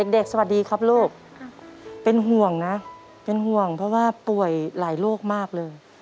เด็กสวัสดีครับลูกเป็นห่วงนะเป็นห่วงเพราะว่าป่วยหลายโรคมากเลย